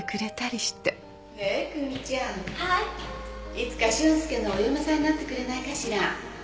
いつか俊介のお嫁さんになってくれないかしら？